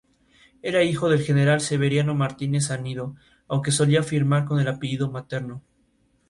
Posteriormente pasó al Emelec de Guayaquil.